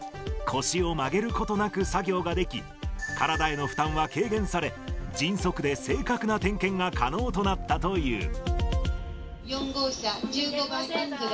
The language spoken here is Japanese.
腰を曲げることなく作業ができ、体への負担は軽減され、迅速で正確な点検が可能となったという。